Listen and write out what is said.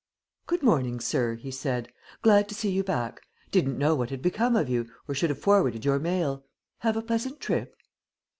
"Good morning, sir," he said. "Glad to see you back. Didn't know what had become of you or should have forwarded your mail. Have a pleasant trip?"